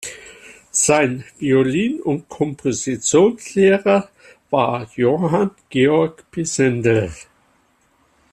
Sein Violin- und Kompositionslehrer war Johann Georg Pisendel.